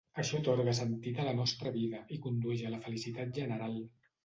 Això atorga sentit a la nostra vida i condueix a la felicitat general.